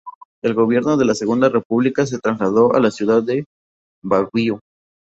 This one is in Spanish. El gobierno de la Segunda República se trasladó a la ciudad de Baguio.